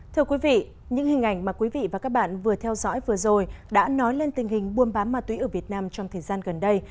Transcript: thưa quý vị những hình ảnh mà quý vị và các bạn vừa theo dõi vừa rồi đã nói lên tình hình buôn bán ma túy ở việt nam trong thời gian gần đây